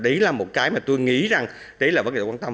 đấy là một cái mà tôi nghĩ rằng đấy là vấn đề quan tâm